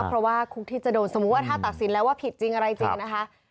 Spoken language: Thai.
เพราะว่าคุกที่จะโดนสมมุติว่าถ้าตัดสินแล้วว่าผิดจริงอะไรจริงนะคะ